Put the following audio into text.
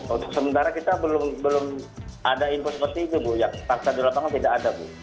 untuk sementara kita belum ada info seperti itu bu yang fakta di lapangan tidak ada bu